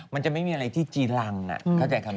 มันจะไม่มีอะไรที่จริงล่างน่ะ